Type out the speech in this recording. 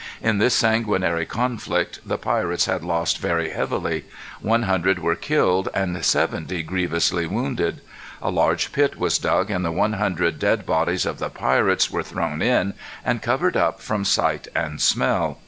In this sanguinary conflict the pirates had lost very heavily. One hundred were killed and seventy grievously wounded. A large pit was dug and the one hundred dead bodies of the pirates were thrown in and covered up from sight and smell.